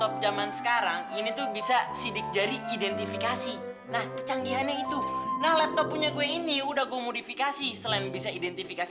buat apa dia simpen ini